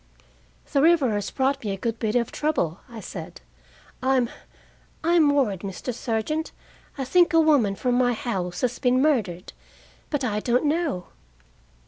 "The river has brought me a good bit of trouble," I said. "I'm I'm worried, Mr. Sergeant. I think a woman from my house has been murdered, but I don't know."